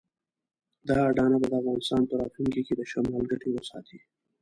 دا اډانه به د افغانستان په راتلونکي کې د شمال ګټې وساتي.